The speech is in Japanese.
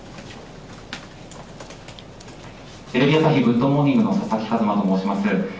テレビ朝日、グッドモーニングのと申します。